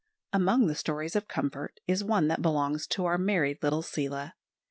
] AMONG the stories of comfort is one that belongs to our merry little Seela.